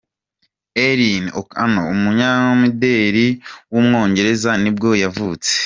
Erin O'Connor, umunyamidelikazi w’umwongereza nibwo yavutse.